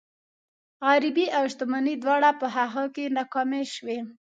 غريبي او شتمني دواړه په هغه کې ناکامې شوي.